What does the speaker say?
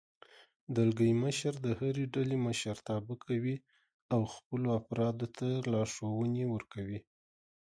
دلګی مشر د هرې ډلې مشرتابه کوي او خپلو افرادو ته لارښوونې ورکوي.